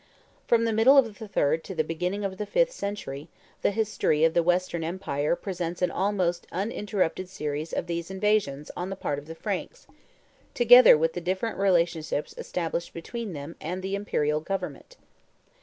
From the middle of the third to the beginning of the fifth century, the history of the Western empire presents an almost uninterrupted series of these invasions on the part of the Franks, together with the different relationships established between them and the Imperial government.